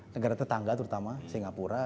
negara tetangga terutama singapura